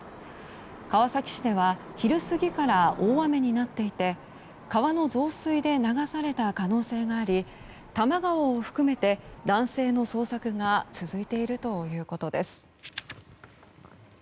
川崎市では昼過ぎから大雨になっていて川の増水で流された可能性があり多摩川を含めて男性の捜索が続いているということです。